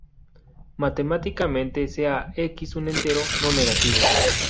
Matemáticamente, sea "X" un entero no negativo.